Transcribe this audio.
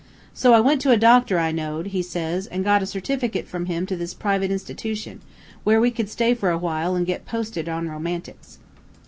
So I went to a doctor I knowed,' he says, 'an' got a certificate from him to this private institution, where we could stay for a while an' get posted on romantics.'